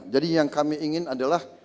jadi yang kami ingin adalah